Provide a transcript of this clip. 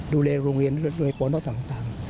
ดูแลโรงเรียนด้วยกรณภาพต่าง